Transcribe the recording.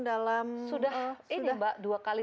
dalam sudah ini mbak dua kali